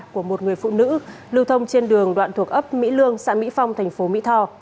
của một người phụ nữ lưu thông trên đường đoạn thuộc ấp mỹ lương xã mỹ phong thành phố mỹ tho